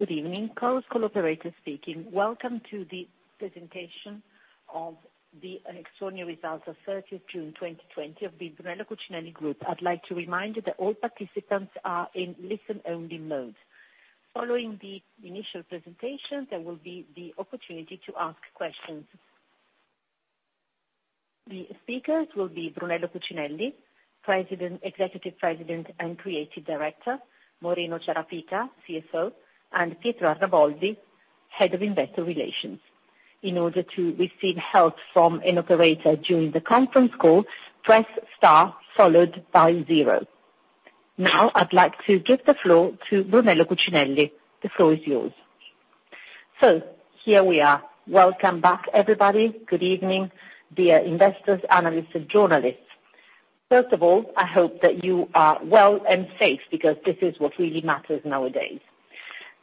Good evening. Welcome to the presentation of the extraordinary results of June 30, 2020, of the Brunello Cucinelli Group. I'd like to remind you that all participants are in listen-only mode. Following the initial presentation, there will be the opportunity to ask questions. The speakers will be Brunello Cucinelli, Executive President and Creative Director, Moreno Ciarapica, CFO, and Pietro Arnaboldi, Head of Investor Relations. In order to receive help from an operator during the conference call, press star followed by zero. I'd like to give the floor to Brunello Cucinelli. The floor is yours. Here we are. Welcome back, everybody. Good evening, dear investors, analysts, and journalists. First of all, I hope that you are well and safe, because this is what really matters nowadays.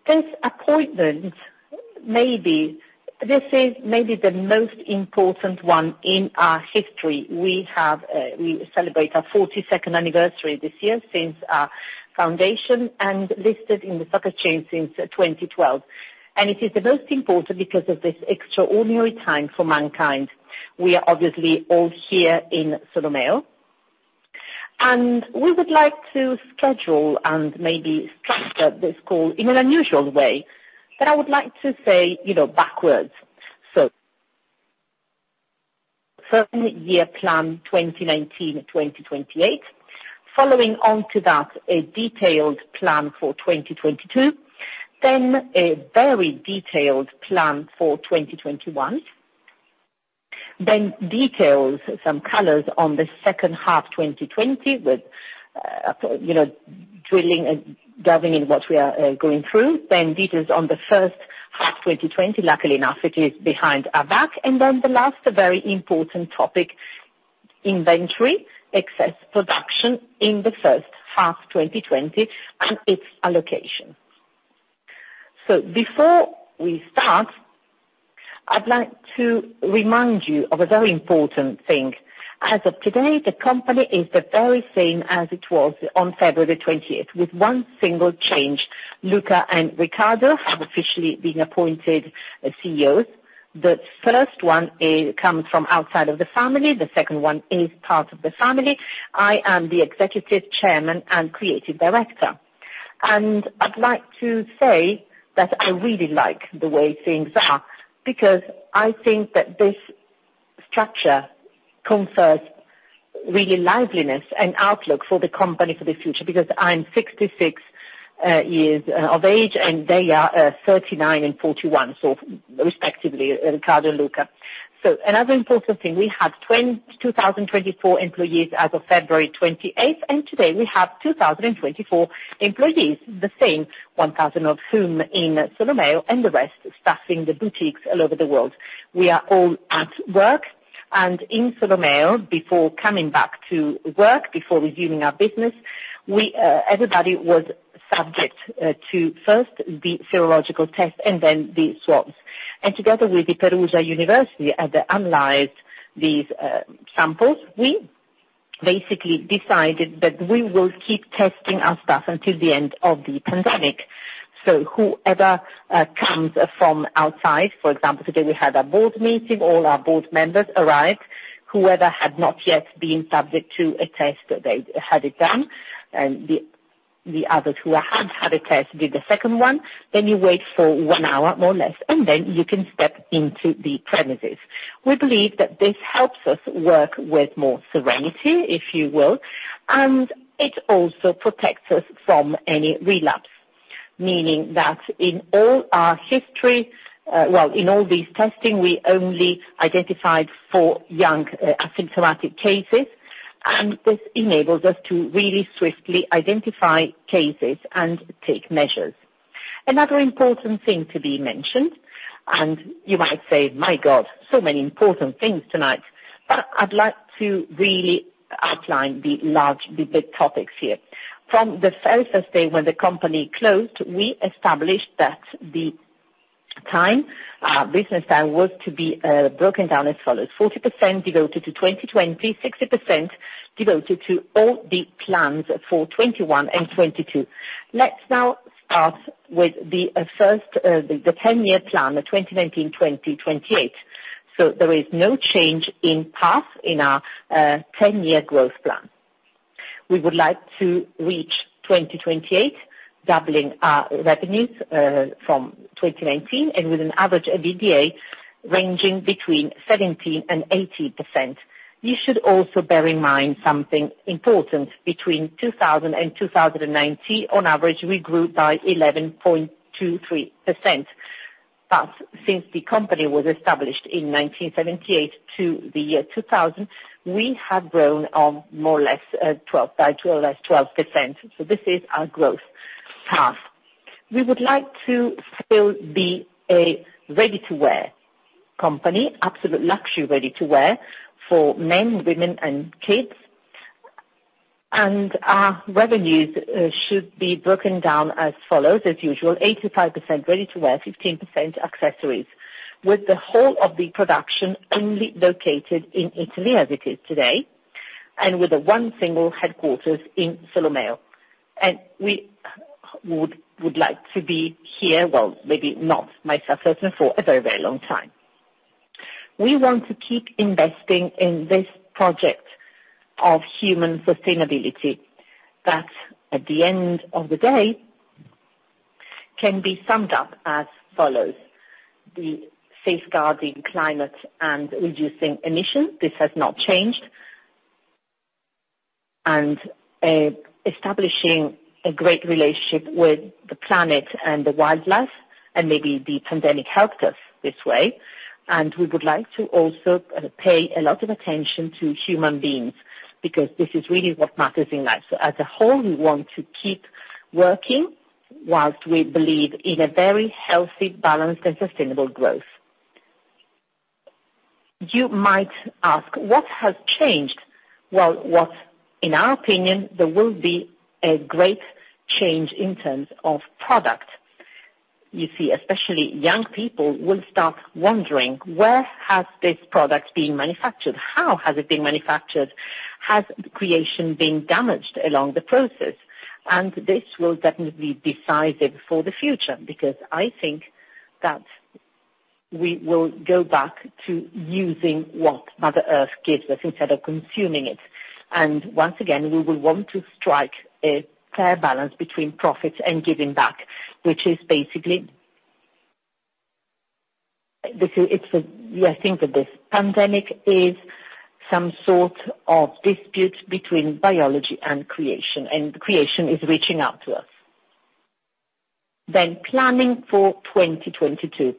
This appointment is maybe the most important one in our history. We have, we celebrate our 42nd anniversary this year since our foundation and listed in the stock exchange since 2012. It is the most important because of this extraordinary time for mankind. We are obviously all here in Solomeo, and we would like to schedule and maybe structure this call in an unusual way, but I would like to say, you know, backwards. From year plan 2019, 2028, following on to that, a detailed plan for 2022, then a very detailed plan for 2021. Details, some colors on the second half 2020, with, you know, drilling and delving in what we are going through. Details on the first half, 2020. Luckily enough, it is behind our back. The last, a very important topic, inventory, excess production in the first half 2020 and its allocation. Before we start, I'd like to remind you of a very important thing. As of today, the company is the very same as it was on February 20th, with one single change. Luca and Riccardo have officially been appointed CEOs. The first one comes from outside of the family, the second one is part of the family. I am the Executive Chairman and Creative Director, and I'd like to say that I really like the way things are because I think that this structure confers really liveliness and outlook for the company for the future, because I'm 66 years of age, and they are 39 and 41, so respectively, Riccardo and Luca. Another important thing, we had 2,024 employees as of February 28th, and today we have 2,024 employees, the same, 1,000 of whom in Solomeo and the rest staffing the boutiques all over the world. We are all at work and in Solomeo. Before coming back to work, before resuming our business, we, everybody was subject to first the serological test and then the swabs. Together with the University of Perugia, as they analyzed these samples, we basically decided that we will keep testing our staff until the end of the pandemic. Whoever comes from outside, for example, today we had a board meeting, all our board members arrived, whoever had not yet been subject to a test, they had it done. The others who had had a test did a second one. You wait for one hour, more or less, and then you can step into the premises. We believe that this helps us work with more serenity, if you will, and it also protects us from any relapse. Meaning that in all our history, well, in all these testing, we only identified four young asymptomatic cases, and this enables us to really swiftly identify cases and take measures. Another important thing to be mentioned, and you might say, "My God, so many important things tonight," but I'd like to really outline the large, the big topics here. From the first day when the company closed, we established that the time, business was to be broken down as follows: 40% devoted to 2020, 60% devoted to all the plans for 2021 and 2022. Let's now start with the first the 10-year plan, the 2019-2028. There is no change in path in our 10-year growth plan. We would like to reach 2028, doubling our revenues from 2019 and with an average EBITDA ranging between 17% and 18%. You should also bear in mind something important. Between 2000 and 2019, on average, we grew by 11.23%. Since the company was established in 1978 to the year 2000, we have grown on more or less 12%, by 12%, 12%. This is our growth path. We would like to still be a ready-to-wear company, absolute luxury ready-to-wear for men, women, and kids. Our revenues should be broken down as follows. As usual, 85% ready-to-wear, 15% accessories, with the whole of the production only located in Italy as it is today. With the one single headquarters in Solomeo. We would like to be here, well, maybe not myself personally, for a very, very long time. We want to keep investing in this project of human sustainability that at the end of the day can be summed up as follows: the safeguarding climate and reducing emissions. This has not changed. Establishing a great relationship with the planet and the wildlife, and maybe the pandemic helped us this way. We would like to also pay a lot of attention to human beings because this is really what matters in life. As a whole, we want to keep working whilst we believe in a very healthy, balanced, and sustainable growth. You might ask what has changed? In our opinion, there will be a great change in terms of product. You see, especially young people will start wondering, where has this product been manufactured? How has it been manufactured? Has creation been damaged along the process? This will definitely be decisive for the future, because I think that we will go back to using what Mother Earth gives us instead of consuming it. Once again, we will want to strike a fair balance between profits and giving back. I think that this pandemic is some sort of dispute between biology and creation, and creation is reaching out to us. Planning for 2022.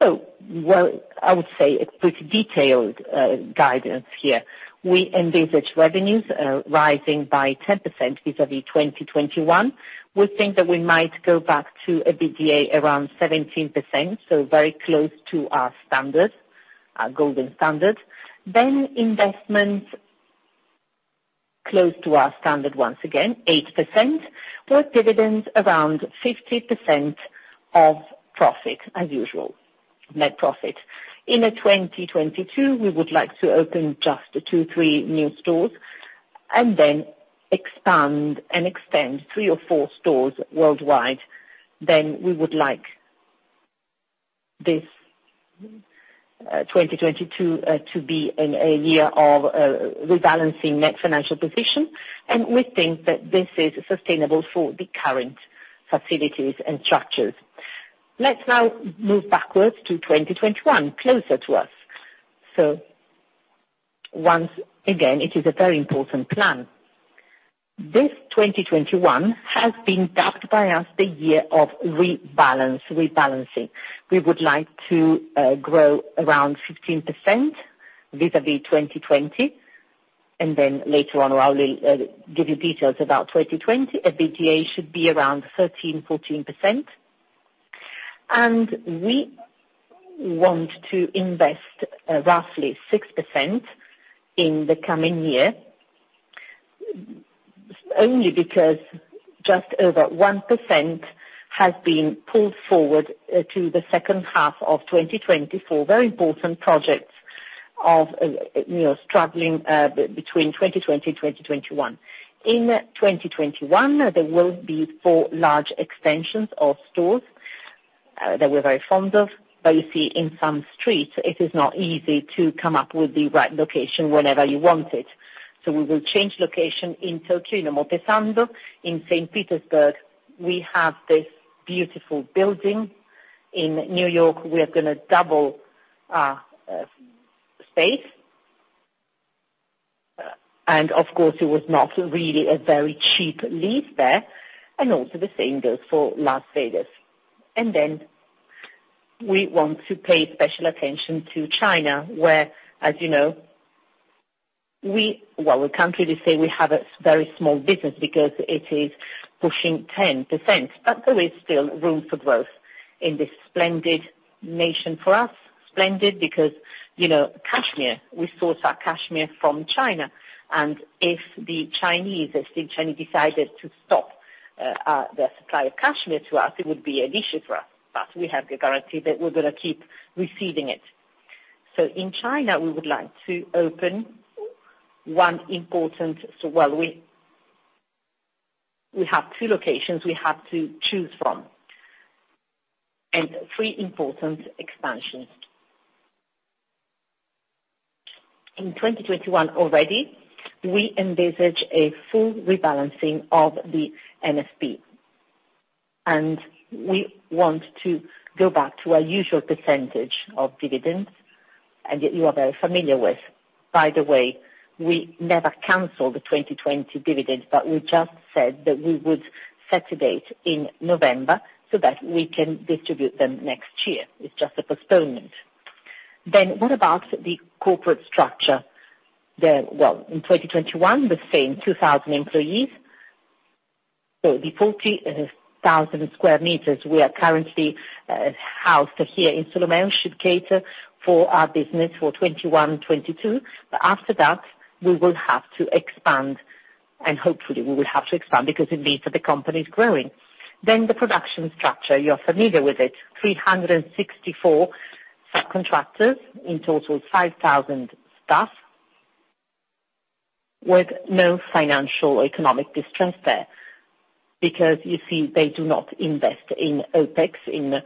I would say a pretty detailed guidance here. We envisage revenues rising by 10% vis-à-vis 2021. We think that we might go back to EBITDA around 17%, so very close to our standards, our golden standards. Investment close to our standard once again, 8%, with dividends around 50% of profit as usual, net profit. In the 2022, we would like to open just two, three new stores and expand and extend three or four stores worldwide. We would like this 2022 to be a year of rebalancing net financial position, and we think that this is sustainable for the current facilities and structures. Let's now move backwards to 2021, closer to us. Once again, it is a very important plan. This 2021 has been dubbed by us the year of rebalancing. We would like to grow around 15% vis-à-vis 2020, then later on, I will give you details about 2020. EBITDA should be around 13%-14%. We want to invest roughly 6% in the coming year, only because just over 1% has been pulled forward to the second half of 2020 for very important projects of you know, struggling between 2020-2021. In 2021, there will be four large extensions of stores that we're very fond of. You see, in some streets, it is not easy to come up with the right location whenever you want it. We will change location in Tokyo, in Omotesando. In St. Petersburg, we have this beautiful building. In New York, we are gonna double our space. Of course, it was not really a very cheap lease there, and also the same goes for Las Vegas. We want to pay special attention to China, where, as you know, we can't really say we have a very small business because it is pushing 10%. There is still room for growth in this splendid nation for us. Splendid because, you know, cashmere, we source our cashmere from China. If the Chinese decided to stop the supply of cashmere to us, it would be an issue for us. We have the guarantee that we're gonna keep receiving it. In China, we would like to open one important, two locations we have to choose from, and three important expansions. In 2021 already, we envisage a full rebalancing of the NFP. We want to go back to our usual percentage of dividends, and that you are very familiar with. By the way, we never canceled the 2020 dividends, but we just said that we would set a date in November so that we can distribute them next year. It's just a postponement. What about the corporate structure? Well, in 2021, the same 2,000 employees. The 40,000 sq m we are currently housed here in Solomeo should cater for our business for 2021 and 2022. After that, we will have to expand, hopefully, we will have to expand because it means that the company is growing. The production structure, you are familiar with it, 364 subcontractors, in total 5,000 staff, with no financial or economic distress there. You see, they do not invest in OpEx, in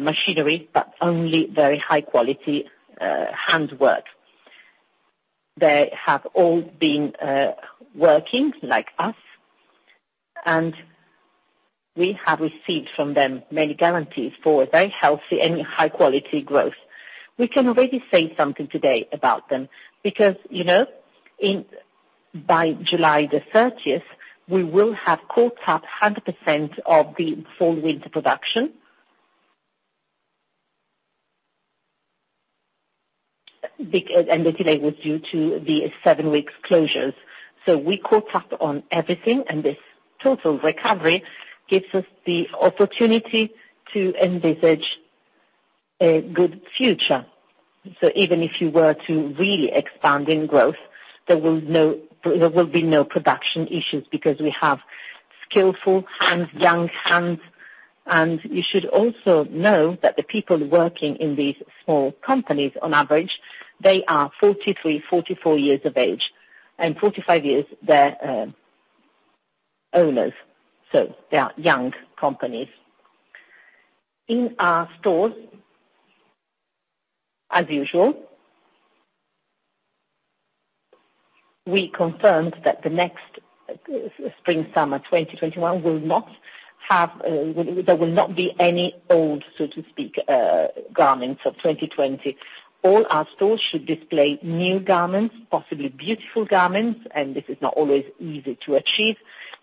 machinery, but only very high-quality handwork. They have all been working like us, and we have received from them many guarantees for a very healthy and high-quality growth. We can already say something today about them because, you know, by July 30th, we will have caught up 100% of the fall/winter production. The delay was due to the seven weeks closures. We caught up on everything; this total recovery gives us the opportunity to envisage a good future. Even if you were to really expand in growth, there will be no production issues because we have skillful hands, young hands. You should also know that the people working in these small companies, on average, they are 43, 44 years of age. 45 years, they're owners. They are young companies. In our stores, as usual, we confirmed that the next spring/summer 2021 will not have, there will not be any old, so to speak, garments of 2020. All our stores should display new garments, possibly beautiful garments, and this is not always easy to achieve,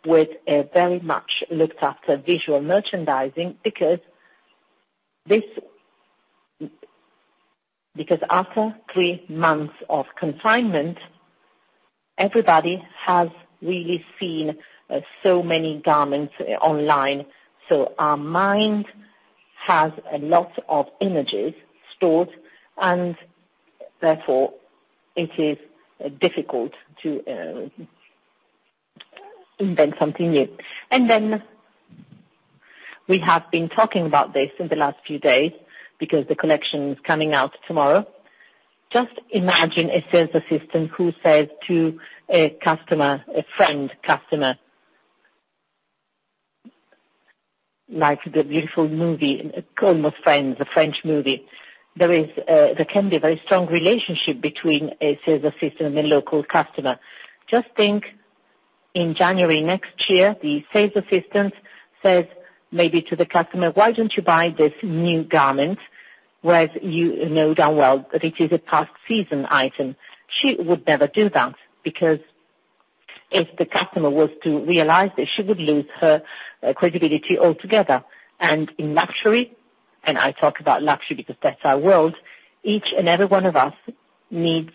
with a very much looked-after visual merchandising, because after three months of confinement, everybody has really seen so many garments online. Our mind has a lot of images stored, and therefore it is difficult to invent something new. We have been talking about this in the last few days because the collection is coming out tomorrow. Just imagine a sales assistant who says to a customer, a friend customer, like the beautiful movie, The Intouchables, the French movie. There is, there can be a very strong relationship between a sales assistant and a local customer. Just think in January next year, the sales assistant says maybe to the customer, "Why don't you buy this new garment?" Whereas you know damn well that it is a past-season item. She would never do that because if the customer was to realize this, she would lose her credibility altogether. In luxury, and I talk about luxury because that's our world, each and every one of us needs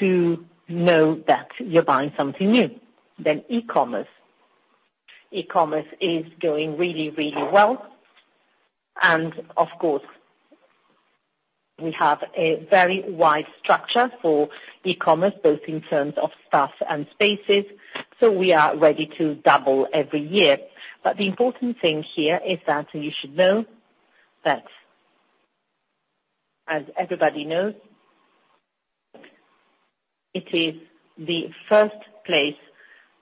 to know that you're buying something new, e-commerce. E-commerce is going really, really well. Of course, we have a very wide structure for e-commerce, both in terms of staff and spaces, so we are ready to double every year. The important thing here is that you should know that, as everybody knows, it is the first place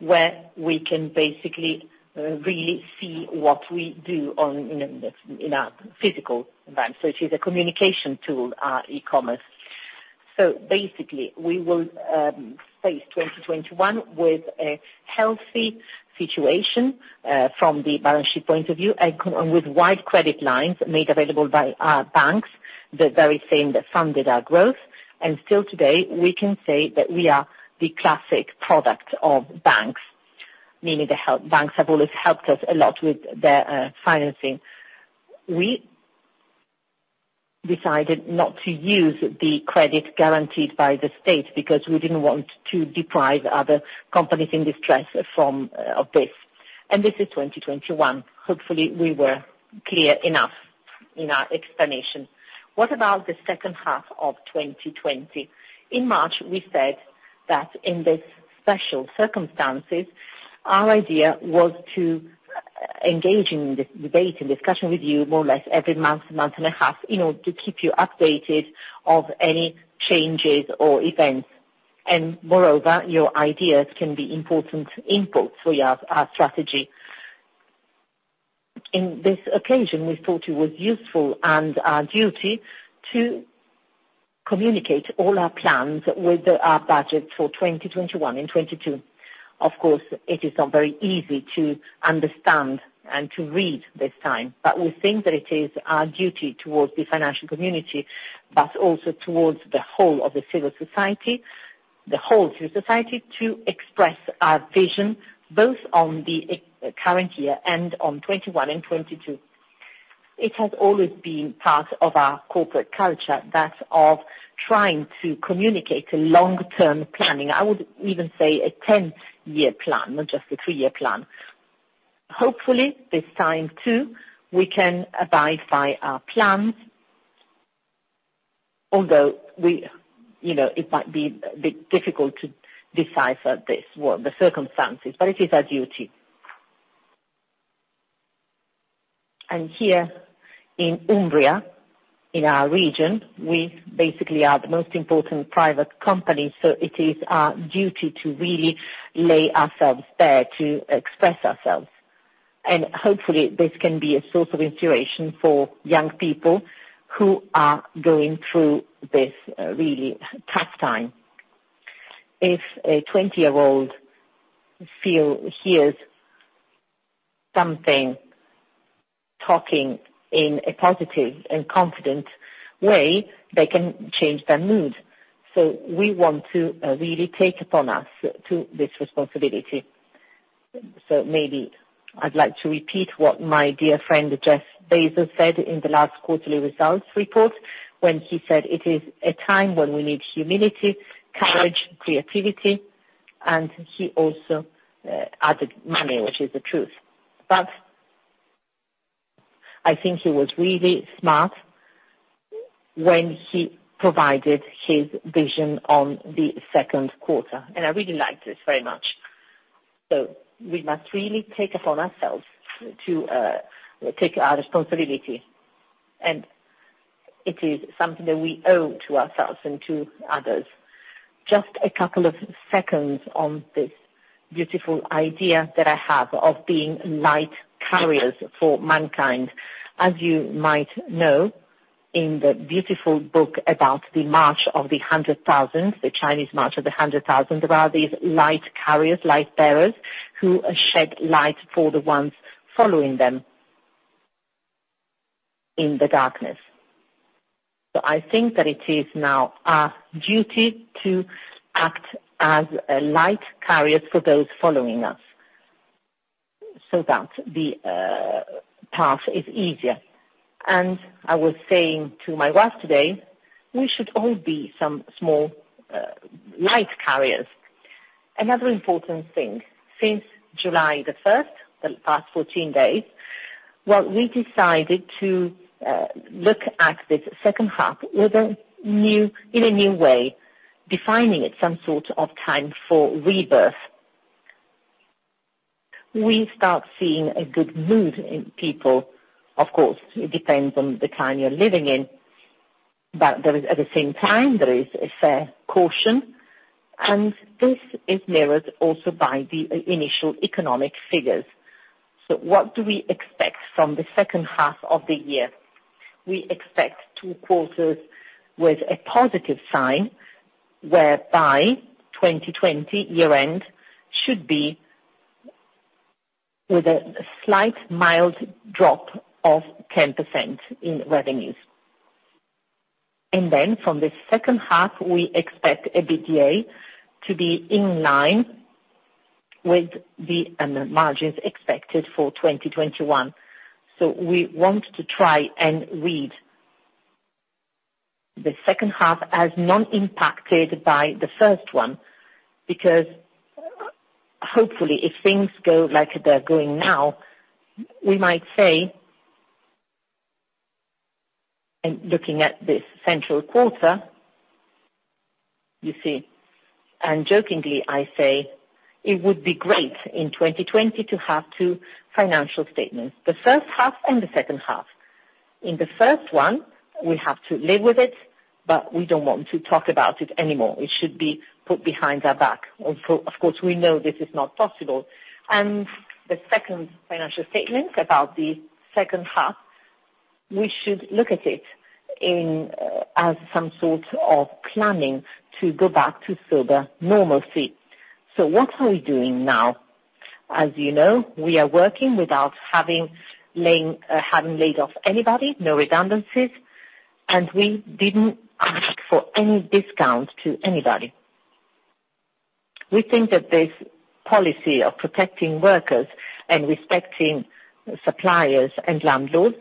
where we can basically really see what we do on, in a, in a physical event. It is a communication tool, our e-commerce. Basically, we will face 2021 with a healthy situation from the balance sheet point of view and with wide credit lines made available by our banks, the very same that funded our growth. Still today, we can say that we are the classic product of banks, meaning banks have always helped us a lot with their financing. We decided not to use the credit guaranteed by the state because we didn't want to deprive other companies in distress from of this. This is 2021. Hopefully, we were clear enough in our explanation. What about the second half of 2020? In March, we said that in these special circumstances, our idea was to engage in this debate and discussion with you more or less every month and a half, in order to keep you updated of any changes or events. Moreover, your ideas can be important inputs for our strategy. In this occasion, we thought it was useful and our duty to communicate all our plans with our budget for 2021 and 2022. Of course, it is not very easy to understand and to read this time, but we think that it is our duty towards the financial community, but also towards the whole of the civil society, the whole civil society, to express our vision, both on the current year and on 2021 and 2022. It has always been part of our corporate culture, that of trying to communicate long-term planning. I would even say a 10-year plan, not just a three-year plan. Hopefully, this time too, we can abide by our plans. Although we, you know, it might be a bit difficult to decipher this, well, the circumstances, but it is our duty. Here in Umbria, in our region, we basically are the most important private company, so it is our duty to really lay ourselves bare to express ourselves. Hopefully, this can be a source of inspiration for young people who are going through this really tough time. If a 20-year-old hears something talking in a positive and confident way, they can change their mood. We want to really take upon us to this responsibility. Maybe I'd like to repeat what my dear friend Jeff Bezos said in the last quarterly results report when he said, "It is a time when we need humility, courage, creativity," and he also added money, which is the truth. I think he was really smart when he provided his vision on the second quarter, and I really like this very much. We must really take upon ourselves to take our responsibility, and it is something that we owe to ourselves and to others. Just a couple of seconds on this beautiful idea that I have of being light carriers for mankind. As you might know, in the beautiful book about the March of the Hundred Thousand, the Chinese March of the Hundred Thousand, there are these light carriers, light bearers, who shed light for the ones following them in the darkness. I think that it is now our duty to act as light carriers for those following us so that the path is easier. I was saying to my wife today, we should all be some small light carriers. Another important thing, since July 1st, the past 14 days, well, we decided to look at this second half in a new way, defining it some sort of time for rebirth. We start seeing a good mood in people. Of course, it depends on the time you're living in, but there is at the same time, there is a fair caution, and this is mirrored also by the initial economic figures. What do we expect from the second half of the year? We expect two quarters with a positive sign, whereby 2020 year-end should be with a slight mild drop of 10% in revenues. From the second half, we expect EBITDA to be in line with the margins expected for 2021. We want to try and read the second half as non-impacted by the first one, because hopefully, if things go like they're going now, we might say, looking at this central quarter, you see, jokingly I say it would be great in 2020 to have two financial statements, the first half and the second half. In the first one, we have to live with it, but we don't want to talk about it anymore. It should be put behind our back. Of course, we know this is not possible. The second financial statement about the second half, we should look at it in as some sort of planning to go back to sort of normalcy. What are we doing now? As you know, we are working without having laid off anybody, no redundancies, and we didn't ask for any discount to anybody. We think that this policy of protecting workers and respecting suppliers and landlords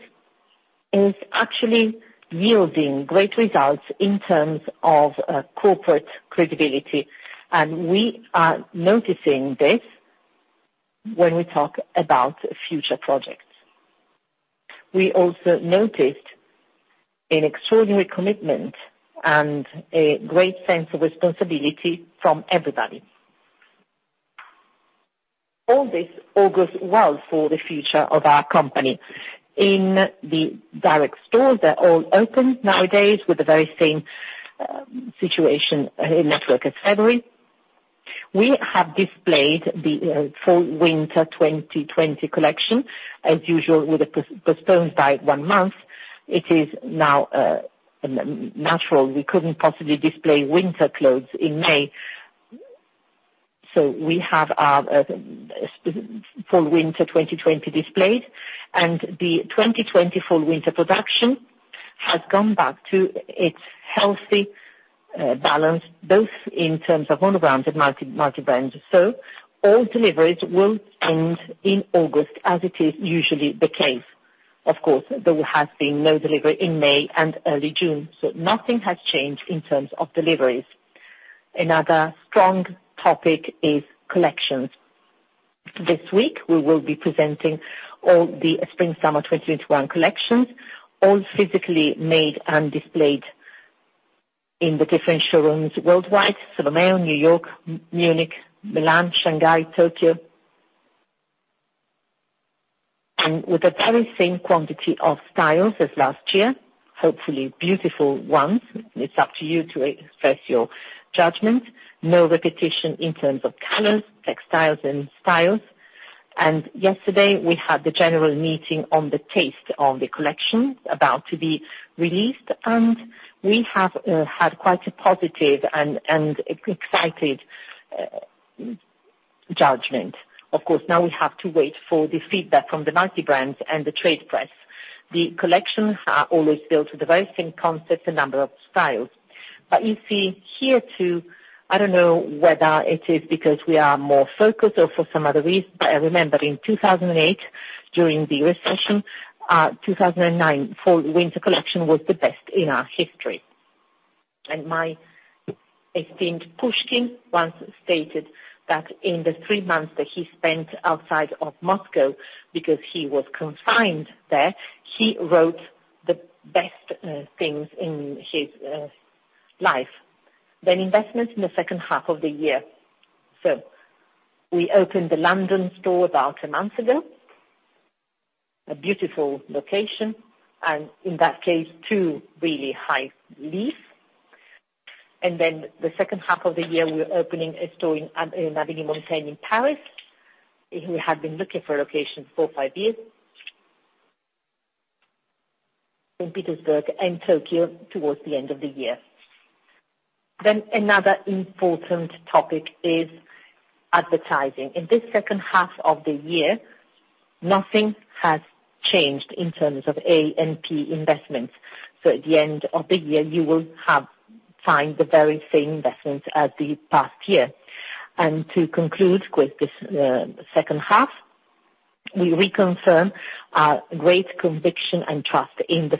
is actually yielding great results in terms of corporate credibility, and we are noticing this when we talk about future projects. We also noticed an extraordinary commitment and a great sense of responsibility from everybody. All this goes well for the future of our company. In the direct stores, they're all open nowadays with the very same situation in network as February. We have displayed the fall-winter 2020 collection as usual, with the postponed by one month. It is now natural. We couldn't possibly display winter clothes in May. We have our fall-winter 2020 displayed, and the 2020 fall-winter production has gone back to its healthy balance, both in terms of own brand and multi-brands. All deliveries will end in August as it is usually the case. Of course, there has been no delivery in May and early June, so nothing has changed in terms of deliveries. Another strong topic is collections. This week, we will be presenting all the spring-summer 2021 collections, all physically made and displayed in the different showrooms worldwide. Solomeo, New York, Munich, Milan, Shanghai, Tokyo. With the very same quantity of styles as last year, hopefully beautiful ones. It's up to you to express your judgment. No repetition in terms of colors, textiles, and styles. Yesterday, we had the general meeting on the taste of the collections about to be released, and we have had quite a positive and excited judgment. Of course, now we have to wait for the feedback from the multi-brands and the trade press. The collections are always built with the very same concept and number of styles. You see, here too, I don't know whether it is because we are more focused or for some other reason, but I remember in 2008, during the recession, 2009 fall-winter collection was the best in our history. My esteemed Pushkin once stated that in the three months that he spent outside of Moscow, because he was confined there, he wrote the best things in his life. Investments in the second half of the year. We opened the London store about a month ago, a beautiful location, and in that case, two really high lease. In the second half of the year, we're opening a store in Avenue Montaigne in Paris. We have been looking for a location for five years. St. Petersburg and Tokyo towards the end of the year. Another important topic is advertising. In this second half of the year, nothing has changed in terms of A&P investments. At the end of the year, you will have found the very same investments as the past year. To conclude with this, second half, we reconfirm our great conviction and trust in the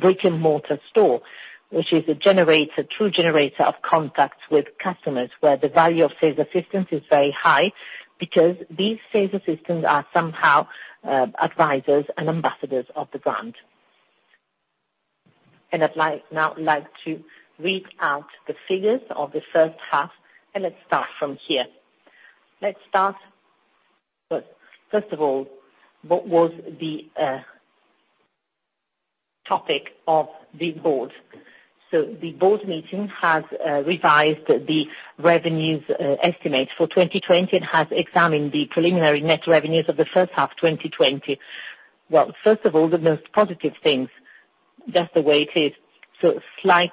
brick-and-mortar store, which is a true generator of contacts with customers, where the value of sales assistance is very high because these sales assistants are somehow advisors and ambassadors of the brand. I'd like to read out the figures of the first half. Let's start from here. First of all, what was the topic of the board. The board meeting has revised the revenues estimates for 2020 and has examined the preliminary net revenues of the first half 2020. First of all, the most positive things, that's the way it is. Slight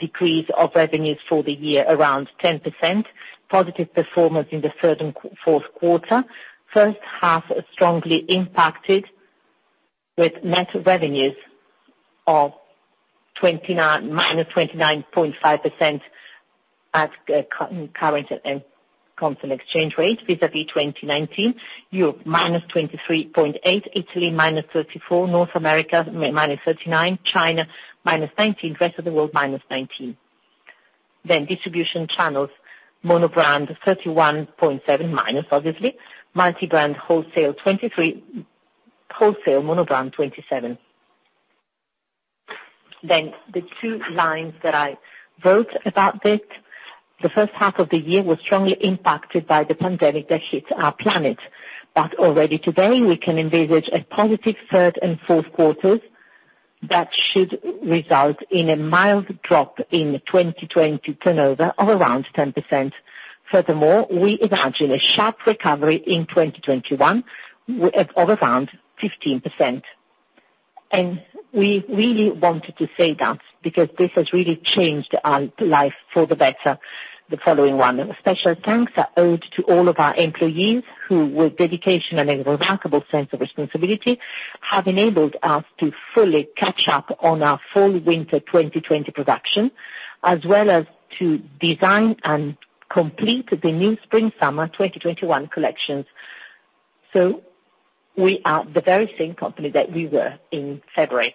decrease of revenues for the year, around 10%. Positive performance in the third and fourth quarter. First half strongly impacted with net revenues of -29.5% at current and constant exchange rate vis-à-vis 2019. Europe, -23.8%. Italy, -34%. North America, -39%. China, -19%. Rest of the world, -19%. Distribution channels, monobrand, -31.7%, obviously. Multibrand wholesale, 23%. Wholesale monobrand, 27%. The two lines that I wrote about this, the first half of the year was strongly impacted by the pandemic that hit our planet. Already today, we can envisage a positive third and fourth quarters that should result in a mild drop in 2020 turnover of around 10%. We imagine a sharp recovery in 2021 of around 15%. We really wanted to say that because this has really changed our life for the better, the following one. Special thanks are owed to all of our employees, who with dedication and a remarkable sense of responsibility, have enabled us to fully catch up on our fall-winter 2020 production, as well as to design and complete the new spring-summer 2021 collections. We are the very same company that we were in February.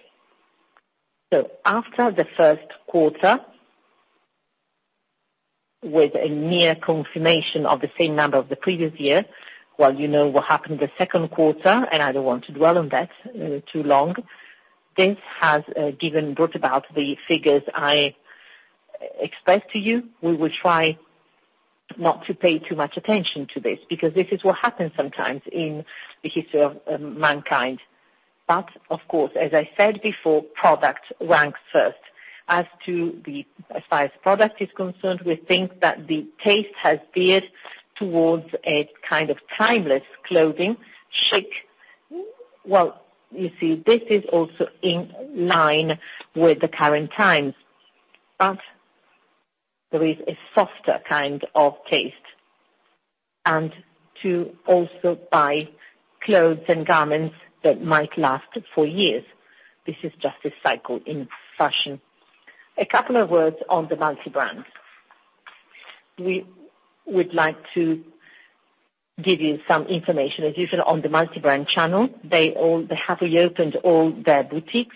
After the first quarter, with a near confirmation of the same number of the previous year, well, you know what happened the second quarter, and I don't want to dwell on that too long. This has brought about the figures I expressed to you. We will try not to pay too much attention to this because this is what happens sometimes in the history of mankind. Of course, as I said before, product ranks first. As far as product is concerned, we think that the taste has veered towards a kind of timeless clothing, chic. You see, this is also in line with the current times, but there is a softer kind of taste. To also buy clothes and garments that might last for years. This is just a cycle in fashion. A couple of words on the multi-brand. We would like to give you some information. As usual, on the multi-brand channel, they have reopened all their boutiques.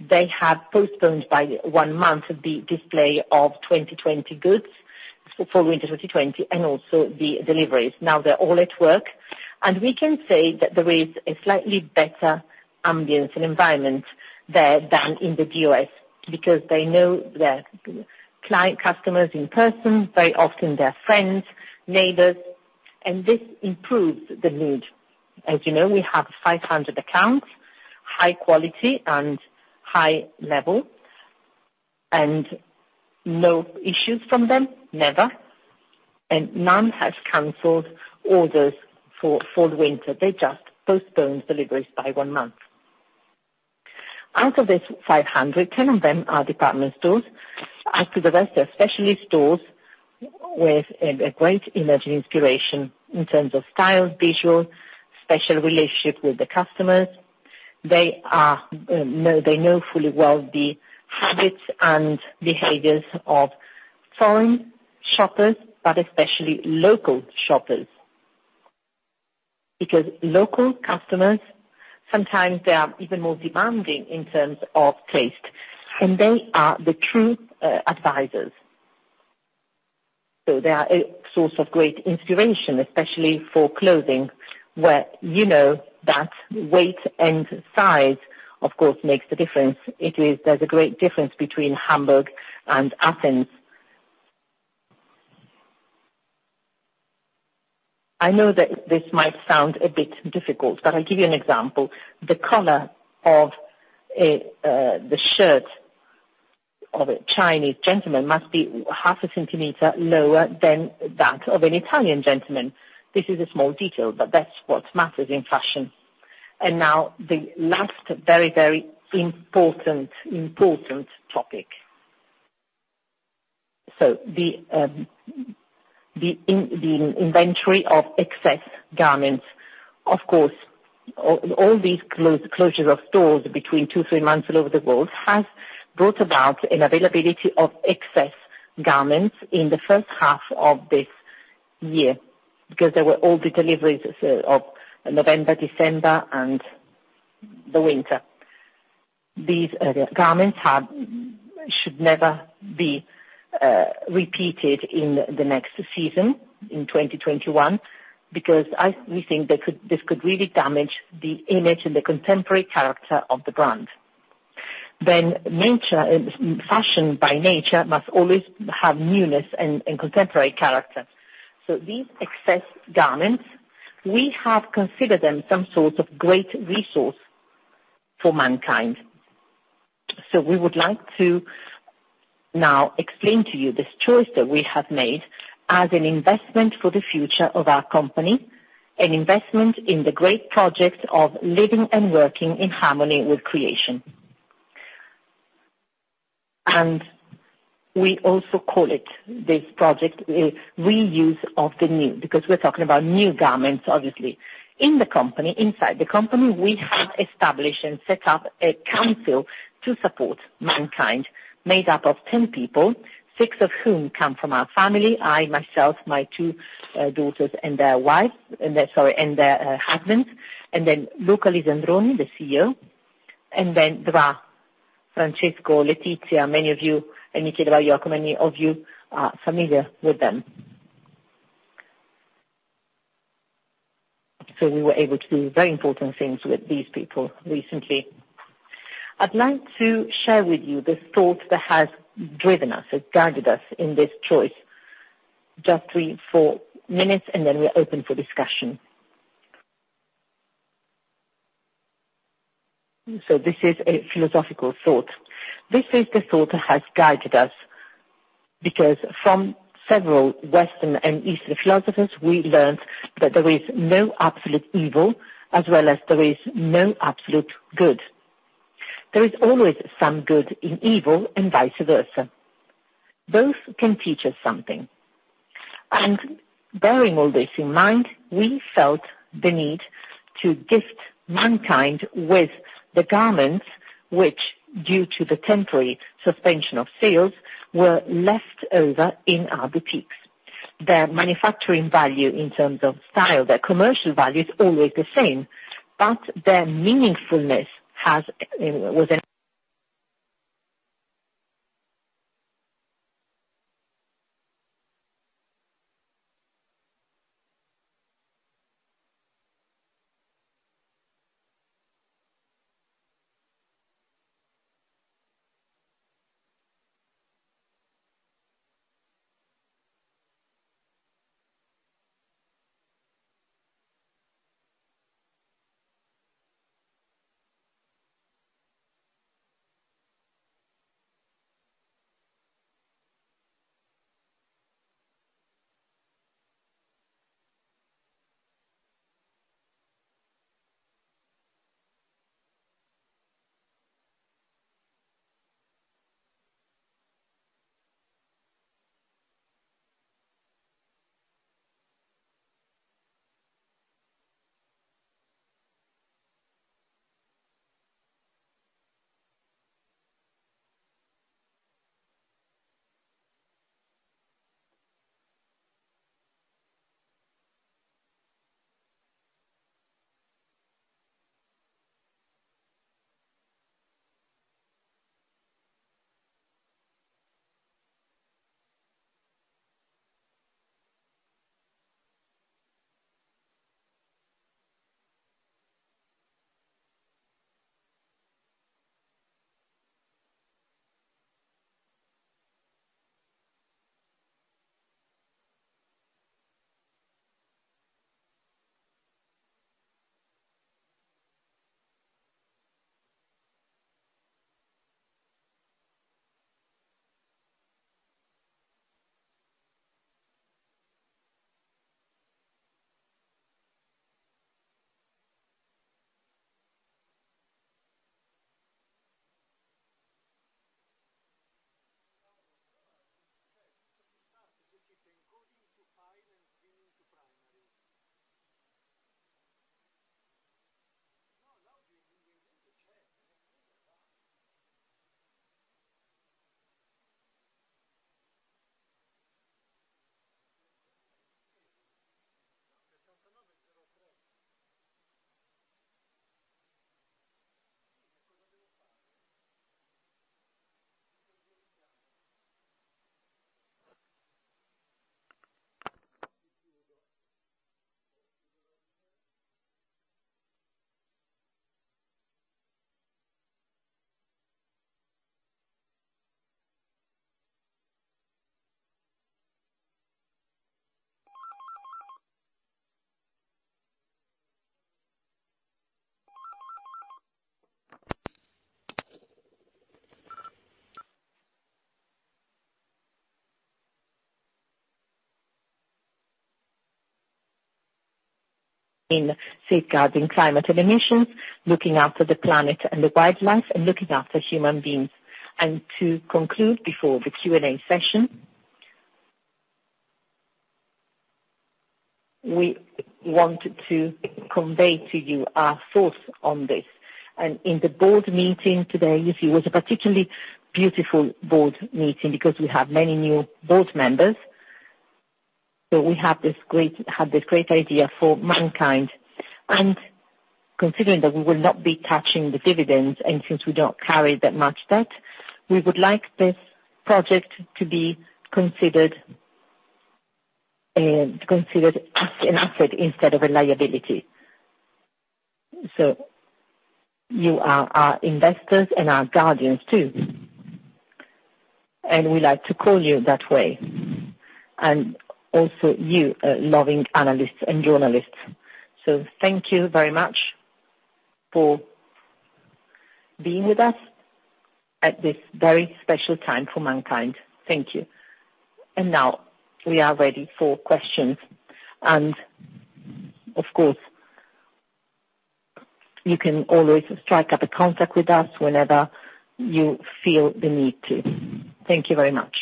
They have postponed by one month the display of 2020 goods for winter 2020 and also the deliveries. They're all at work, and we can say that there is a slightly better ambience and environment there than in the U.S., because they know their client customers in person, very often their friends, neighbors, and this improves the mood. As you know, we have 500 accounts, high quality and high level and no issues from them, never. None have canceled orders for winter. They just postponed deliveries by one month. Out of these 500, 10 of them are department stores. As to the rest, they are specialist stores with a great image and inspiration in terms of style, visual, special relationship with the customers. They know fully well the habits and behaviors of foreign shoppers, especially local shoppers. Local customers, sometimes they are even more demanding in terms of taste, and they are the true advisors. They are a source of great inspiration, especially for clothing, where you know that weight and size, of course, makes a difference. There's a great difference between Hamburg and Athens. I know that this might sound a bit difficult, but I'll give you an example. The color of a, the shirt of a Chinese gentleman must be half a centimeter lower than that of an Italian gentleman. This is a small detail, but that's what matters in fashion. Now the last very important topic. The inventory of excess garments. Of course, all these closures of stores between two, 3 months all over the world has brought about an availability of excess garments in the first half of this year, because they were all the deliveries of November, December and the winter. These garments should never be repeated in the next season in 2021 because we think that this could really damage the image and the contemporary character of the brand. Nature, fashion by nature must always have newness and contemporary character. These excess garments, we have considered them some sort of great resource for mankind. We would like to now explain to you this choice that we have made as an investment for the future of our company, an investment in the great project of living and working in harmony with creation. We also call it, this project, a Reuse of the New, because we're talking about new garments, obviously. In the company, inside the company, we have established and set up a council to support mankind, made up of 10 people, six of whom come from our family, I myself, my two daughters and their wives, and their, sorry, and their husbands, and then Luca Lisandroni, the CEO, and then [Draa], Francesco, Letizia, many of you, and [Michele Cucuzza], many of you are familiar with them. We were able to do very important things with these people recently. I'd like to share with you this thought that has driven us, has guided us in this choice. Just three, four minutes, and then we're open for discussion. This is a philosophical thought. This is the thought that has guided us, because from several Western and Eastern philosophers, we learned that there is no absolute evil as well as there is no absolute good. There is always some good in evil and vice versa. Both can teach us something. Bearing all this in mind, we felt the need to gift mankind with the garments which, due to the temporary suspension of sales, were left over in our boutiques. Their manufacturing value in terms of style, their commercial value is always the same, but their meaningfulness has in safeguarding climate and emissions, looking after the planet and the wildlife, and looking after human beings. To conclude before the Q&A session, we want to convey to you our thoughts on this. In the board meeting today, you see, it was a particularly beautiful board meeting because we have many new board members. We have this great idea for mankind. Considering that we will not be touching the dividends, since we don't carry that much debt, we would like this project to be considered as an asset instead of a liability. You are our investors and our guardians, too. We like to call you that way. Also, you, loving analysts and journalists. Thank you very much for being with us at this very special time for mankind. Thank you. Now we are ready for questions. Of course, you can always strike up a contact with us whenever you feel the need to. Thank you very much.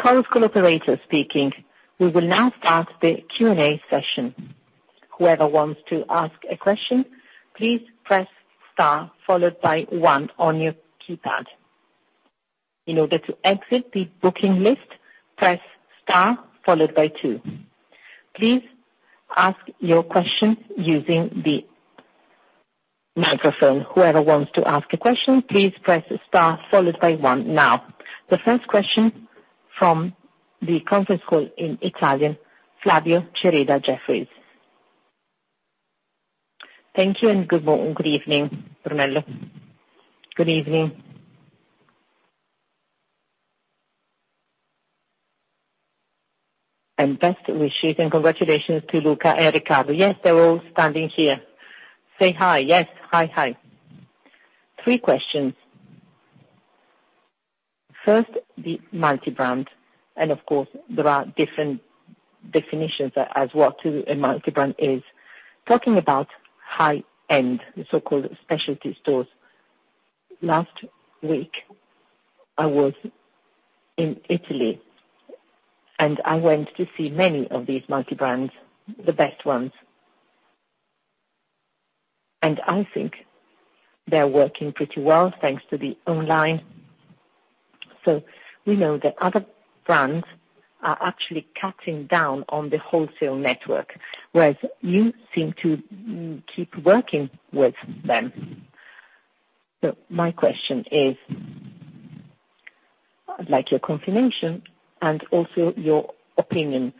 Chorus Call operator speaking. We will now start the Q&A session. Whoever wants to ask a question, please press star followed by one on your keypad. In order to exit the booking list, press star followed by two. Please ask your question using the microphone. Whoever wants to ask a question, please press star followed by one now. The first question from the conference call in Italian, Flavio Cereda, Jefferies. Thank you. Good evening, Brunello. Good evening. Best wishes and congratulations to Luca and Riccardo. Yes, they're all standing here. Say hi. Yes. Hi. Hi. Three questions. First, the multi-brand. Of course, there are different definitions as what a multi-brand is. Talking about high-end, the so-called specialty stores. Last week, I was in Italy. I went to see many of these multi-brands, the best ones. I think they're working pretty well thanks to the online. We know that other brands are actually cutting down on the wholesale network, whereas you seem to keep working with them. My question is, I'd like your confirmation and also your opinion.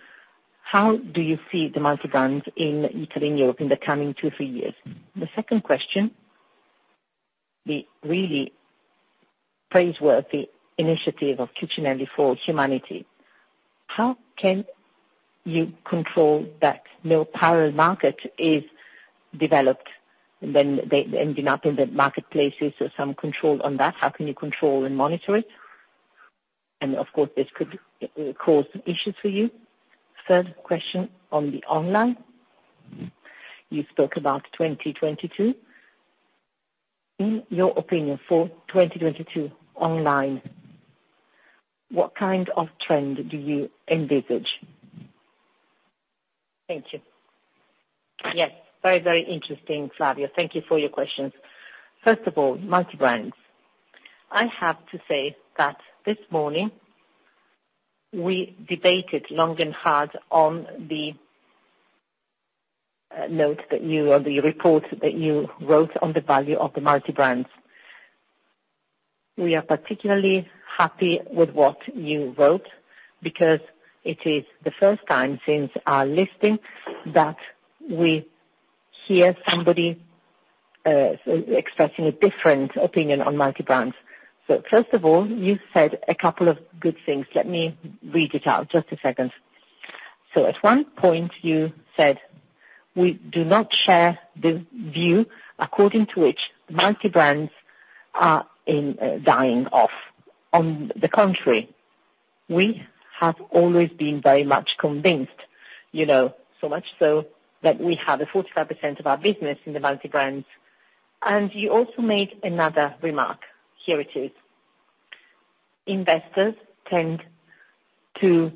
How do you see the multi-brands in Italy and Europe in the coming two to three years? The second question, the really praiseworthy initiative of Brunello Cucinelli for Humanity. How can you control that no parallel market is developed, then they ending up in the marketplaces or some control on that? How can you control and monitor it? Of course, this could cause some issues for you. Third question on the online. You spoke about 2022. In your opinion, for 2022 online, what kind of trend do you envisage? Thank you. Yes. Very, very interesting, Flavio. Thank you for your questions. First of all, multi-brands. I have to say that this morning we debated long and hard on the note that you or the report that you wrote on the value of the multi-brands. We are particularly happy with what you wrote because it is the first time since our listing that we hear somebody expressing a different opinion on multi-brands. First of all, you said a couple of good things. Let me read it out. Just a second. At one point, you said, "We do not share the view according to which multi-brands are dying off." On the contrary, we have always been very much convinced, you know, so much so that we have a 45% of our business in the multi-brands. You also made another remark. Here it is: "Investors tend to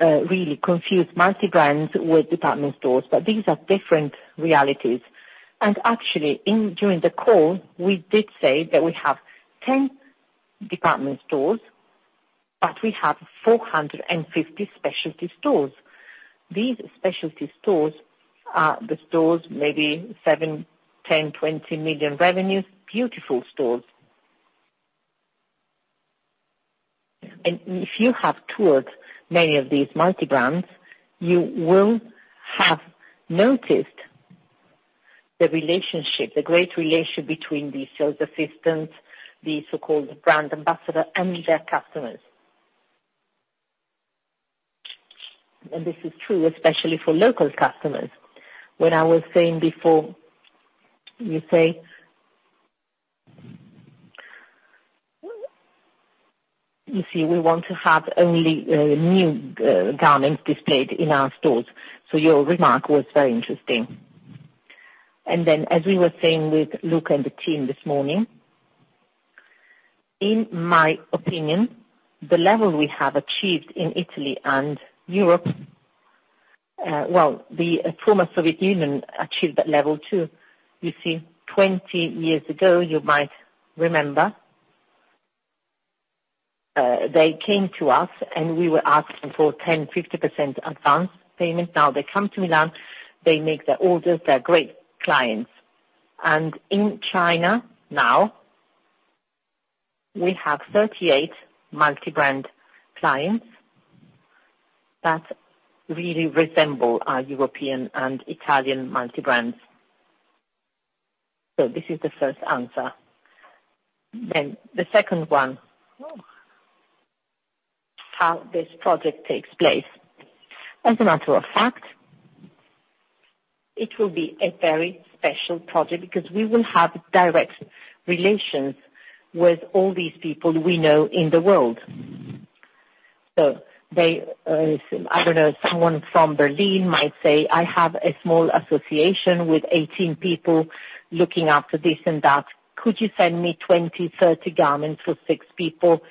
really confuse multi-brands with department stores, but these are different realities." Actually, during the call, we did say that we have 10 department stores, but we have 450 specialty stores. These specialty stores are the stores, maybe 7 million, 10 million, 20 million revenues, beautiful stores. If you have toured many of these multi-brands, you will have noticed the relationship, the great relationship between these sales assistants, the so-called brand ambassador, and their customers. This is true especially for local customers. When I was saying before, you see, we want to have only new garments displayed in our stores. Your remark was very interesting. As we were saying with Luca and the team this morning, in my opinion, the level we have achieved in Italy and Europe, well, the former Soviet Union achieved that level, too. You see, 20 years ago, you might remember, they came to us, and we were asking for 10%, 50% advance payment. Now they come to Milan, they make their orders, they're great clients. In China now, we have 38 multi-brand clients that really resemble our European and Italian multi-brands. This is the first answer. The second one, how this project takes place. As a matter of fact, it will be a very special project because we will have direct relations with all these people we know in the world. They, I don't know, someone from Berlin might say, "I have a small association with 18 people looking after this and that. Could you send me 20, 30 garments for six people,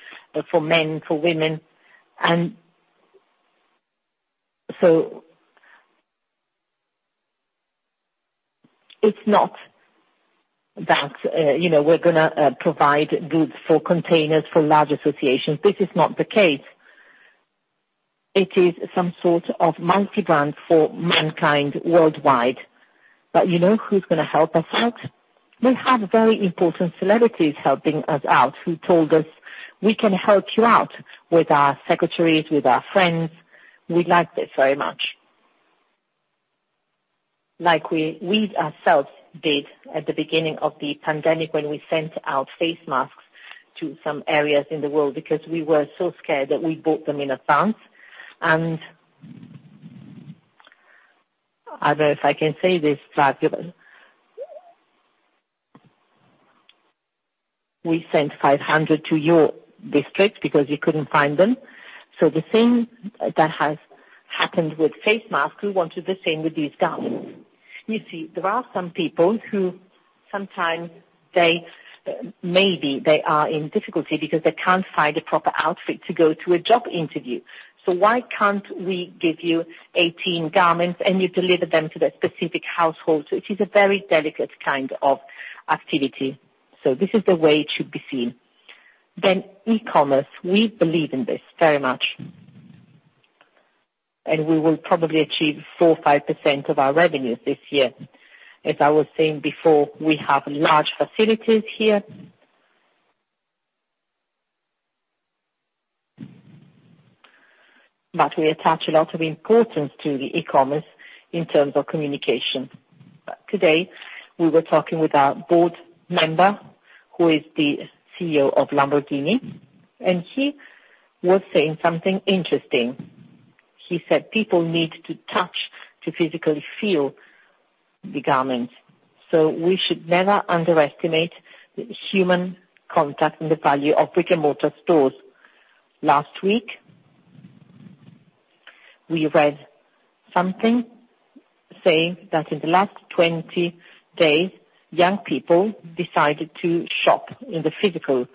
for men, for women?" It's not that, you know, we're gonna provide goods for containers for large associations. This is not the case. It is some sort of multi-brand for mankind worldwide. You know who's gonna help us out? We have very important celebrities helping us out who told us, "We can help you out with our secretaries, with our friends. We like this very much." Like we ourselves did at the beginning of the pandemic, when we sent out face masks to some areas in the world because we were so scared that we bought them in advance. I don't know if I can say this, Flavio. We sent 500 to your district because you couldn't find them. The same that has happened with face masks, we want to do the same with these garments. You see, there are some people who sometimes maybe they are in difficulty because they can't find a proper outfit to go to a job interview. Why can't we give you 18 garments, and you deliver them to that specific household? It is a very delicate kind of activity. This is the way it should be seen. E-commerce, we believe in this very much. We will probably achieve 4%, 5% of our revenues this year. As I was saying before, we have large facilities here. We attach a lot of importance to the e-commerce in terms of communication. Today, we were talking with our board member, who is the CEO of Lamborghini, and he was saying something interesting. He said people need to touch to physically feel the garments. We should never underestimate the human contact and the value of brick-and-mortar stores. Last week, we read something saying that in the last 20 days, young people decided to shop in the physical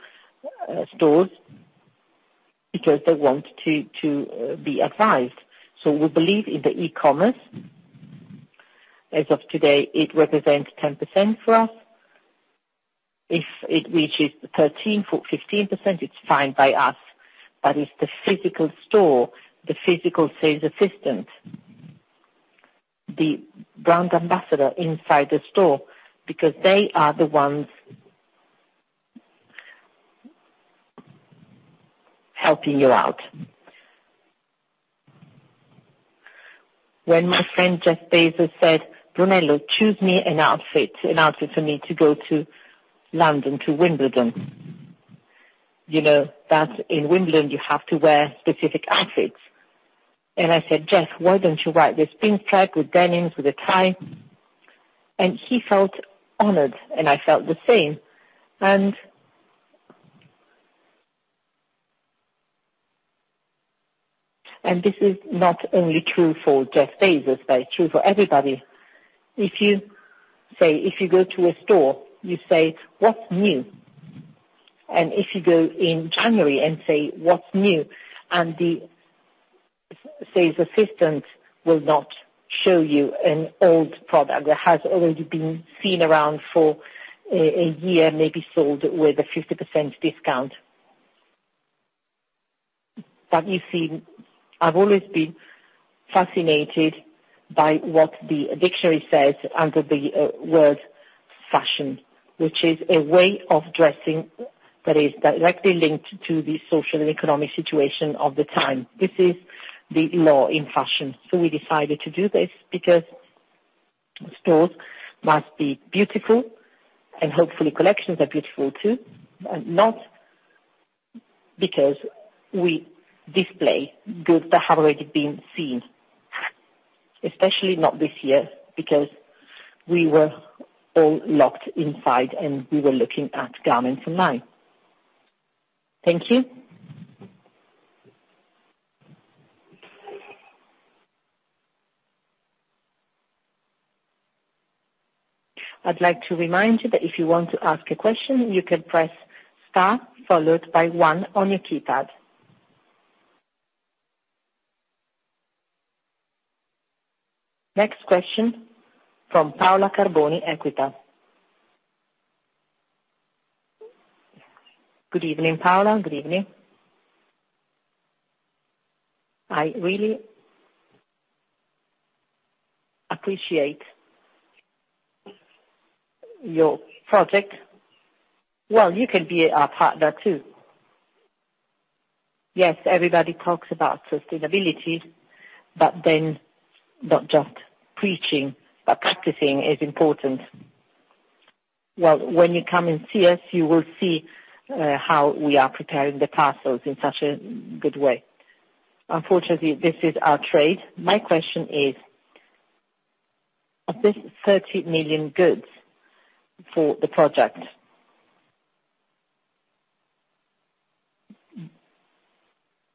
stores because they want to be advised. We believe in the e-commerce. As of today, it represents 10% for us. If it reaches 13%, for 15%, it's fine by us. It's the physical store, the physical sales assistant, the brand ambassador inside the store, because they are the ones helping you out. When my friend Jeff Bezos said, "Brunello, choose me an outfit, an outfit for me to go to London, to Wimbledon." You know that in Wimbledon you have to wear specific outfits. I said, "Jeff, why don't you wear this pink track with denims with a tie?" He felt honored, and I felt the same. This is not only true for Jeff Bezos, but it's true for everybody. If you go to a store, you say, "What's new?" If you go in January and say, "What's new?" The sales assistant will not show you an old product that has already been seen around for a year, maybe sold with a 50% discount. You see, I've always been fascinated by what the dictionary says under the word fashion, which is a way of dressing that is directly linked to the social and economic situation of the time. This is the law in fashion. We decided to do this because stores must be beautiful, and hopefully, collections are beautiful too. Not because we display goods that have already been seen. Especially not this year, because we were all locked inside, and we were looking at garments online. Thank you. I'd like to remind you that if you want to ask a question, you can press star followed by one on your keypad. Next question from Paola Carboni, EQUITA. Good evening, Paola. Good evening. I really appreciate your project. You can be our partner too. Everybody talks about sustainability, but then not just preaching, but practicing is important. When you come and see us, you will see how we are preparing the parcels in such a good way. Unfortunately, this is our trade. My question is, of this 30 million goods for the project,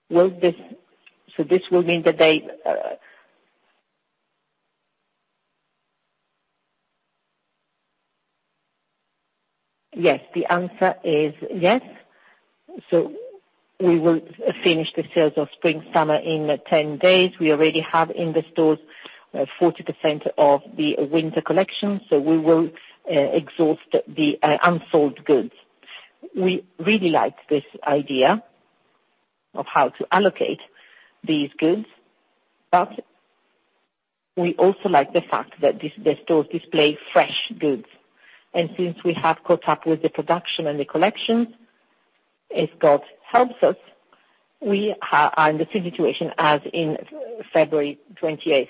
this will mean that they The answer is yes. We will finish the sales of spring-summer in 10 days. We already have in the stores, 40% of the winter collection, we will exhaust the unsold goods. We really like this idea of how to allocate these goods. We also like the fact that the stores display fresh goods. Since we have caught up with the production and the collections, if God helps us, we are in the same situation as in February 28th.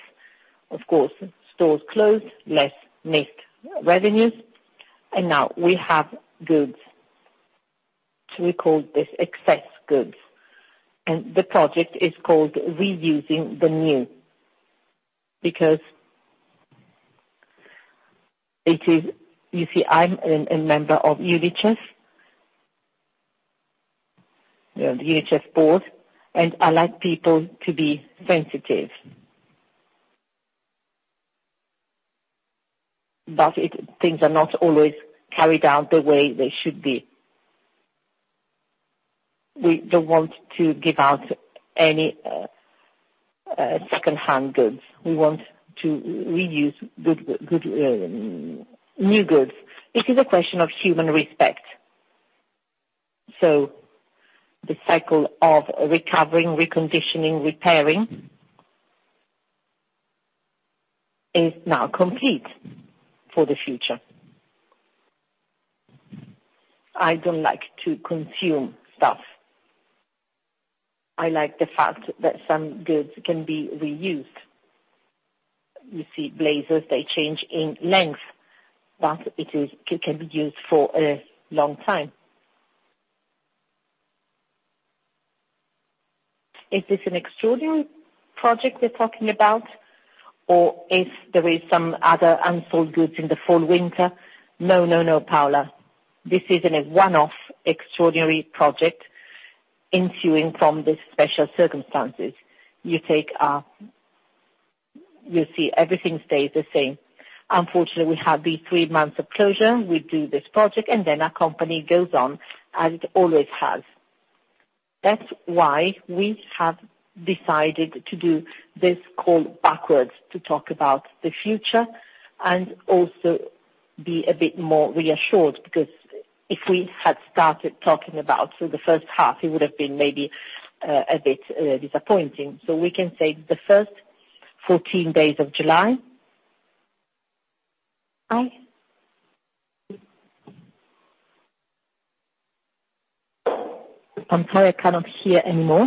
Of course, stores closed, less mixed revenues, and now we have goods. We call these excess goods. The project is called Reuse of the New because it is I'm a member of [UDHF], you know, the [UDHF] board, and I like people to be sensitive. Things are not always carried out the way they should be. We don't want to give out any second-hand goods. We want to reuse good new goods. It is a question of human respect. The cycle of recovering, reconditioning, repairing is now complete for the future. I don't like to consume stuff. I like the fact that some goods can be reused. You see, blazers, they change in length, but it can be used for a long time. Is this an extraordinary project we're talking about or if there is some other unsold goods in the fall-winter? No, no, Paola. This isn't a one-off extraordinary project ensuing from the special circumstances. You take, you'll see everything stays the same. Unfortunately, we have these three months of closure. We do this project, our company goes on as it always has. That's why we have decided to do this call backwards, to talk about the future and also be a bit more reassured, because if we had started talking about the first half, it would have been maybe, a bit, disappointing. We can say the first 14 days of July. I'm sorry, I cannot hear anymore.